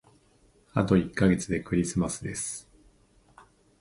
あと一ヶ月でクリスマスです。